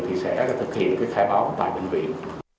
thì sẽ thực hiện khai báo tại bệnh viện